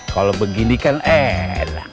kalau begini kan enak